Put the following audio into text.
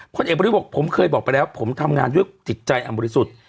เด็กบริบอกผมเคยบอกไปแล้วผมทำงานด้วยจิตใจอันบริสุทธิ์